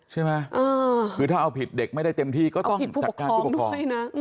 ใช่ไหมคือถ้าเอาผิดเด็กไม่ได้เต็มที่ก็ต้องจัดการผู้ปกครอง